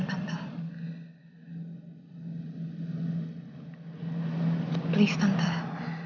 temuin ya papa